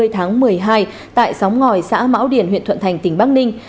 tháng một mươi hai tại sóng ngòi xã mão điển huyện thuận thành tỉnh bắc ninh